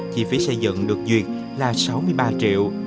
chi phí xây dựng được duyệt là sáu mươi ba triệu